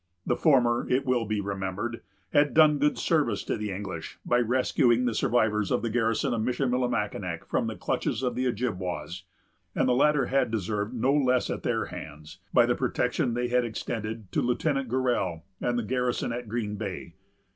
The former, it will be remembered, had done good service to the English, by rescuing the survivors of the garrison of Michillimackinac from the clutches of the Ojibwas; and the latter had deserved no less at their hands, by the protection they had extended to Lieutenant Gorell, and the garrison at Green Bay.